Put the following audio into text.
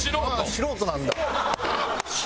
素人なんだ。